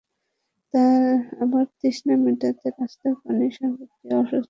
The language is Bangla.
আবার তৃষ্ণা মেটাতে রাস্তার পানি, শরবত খেয়ে অসুস্থ হয়ে পড়ছেন অনেকে।